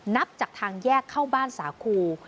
นับจากทางแยกเข้าบ้านสาครู